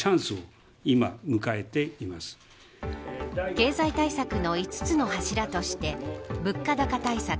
経済対策の５つの柱として物価高対策